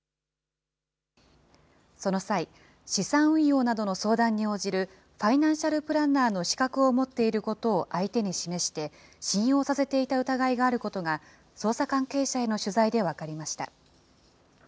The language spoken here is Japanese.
その際、資産運用などの相談に応じるファイナンシャルプランナーの資格を持っていることを相手に示して、信用させていた疑いがあることが、捜査関係者への取材で分かりました。